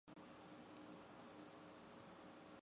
朗德洛河畔蒙泰涅人口变化图示